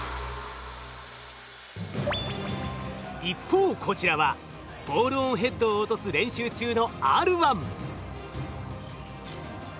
一方こちらはボールオンヘッドを落とす練習中のＲ１。